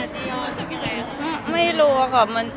จริงหรือจริงหรือจะเกร็งหรือ